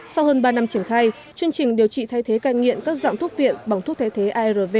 sau hơn ba năm triển khai chương trình điều trị thay thế cai nghiện các dạng thuốc viện bằng thuốc thay thế arv